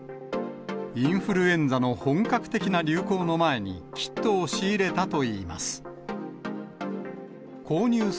インフルエンザの本格的な流行の前に、キットを仕入れたといいます。